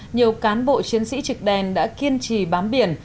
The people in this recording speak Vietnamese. nhiều cán bộ chiến sĩ trực đèn đã kiên trì bám biển